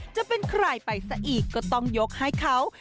จะเป็นใครไปซะอีกก็ต้องยกให้เขา